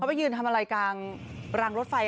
ไปยืนทำอะไรกลางรางรถไฟ